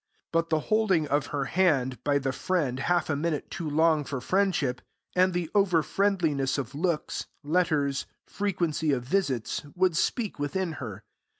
But the holding of her hand by the friend half a minute too long for friendship, and the over friendliness of looks, letters, frequency of visits, would speak within her.